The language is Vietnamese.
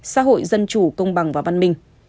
xã hội dân chủ công bằng và văn minh